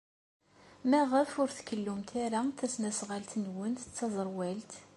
Maɣef ur tkellumt ara tasnasɣalt-nwent d taẓerwalt?